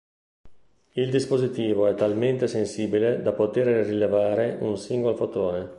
Il dispositivo è talmente sensibile da potere rilevare un singolo fotone.